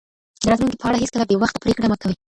د راتلونکي په اړه هیڅکله بې وخته پرېکړه مه کوئ.